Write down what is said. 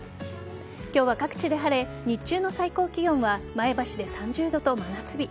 今日は各地で晴れ日中の最高気温は前橋で３０度と真夏日。